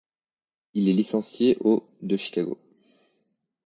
Il est licencié au de Chicago.